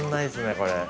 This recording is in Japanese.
これ。